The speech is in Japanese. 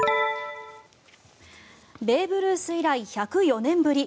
ベーブ・ルース以来１０４年ぶり